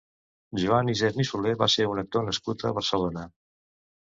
Joan Isern i Solé va ser un actor nascut a Barcelona.